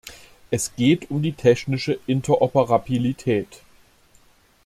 Es geht um die technische Interoperabilität.